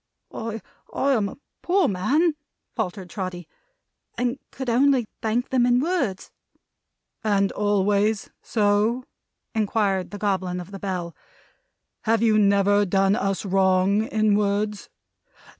"I am a poor man," faltered Trotty, "and could only thank them in words." "And always so?" inquired the Goblin of the Bell. "Have you never done us wrong in words?"